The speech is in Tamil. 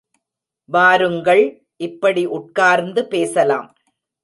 வாருங்கள் இப்படி உட்கார்ந்து பேசலாம்.